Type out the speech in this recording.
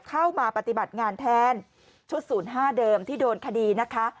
เข้ามาปฏิบัติงานแทนชุด๐๕เดิมที่โดนคดีนะคะ